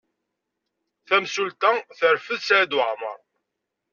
Tamsulta terfed Saɛid Waɛmaṛ.